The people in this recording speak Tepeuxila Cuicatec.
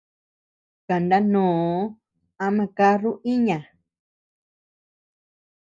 Kandanoo am caruu iña.